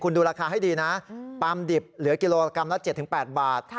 คุณดูราคาให้ดีนะปลามดิบเหลือกิโลกรัมละ๗๘บาท